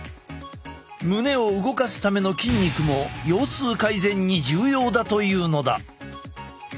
胸を動かすための筋肉も腰痛改善に重要だというのだ。